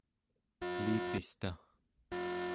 kelipista